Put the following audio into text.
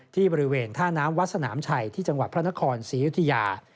ที่บริเวณท่าน้ำวัดสนามชัยที่จังหวัดพระนครศรียุธยา